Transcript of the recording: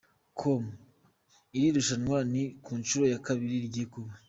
com, iri rushanwa ni ku nshuro ya kabiri rigiye kuba.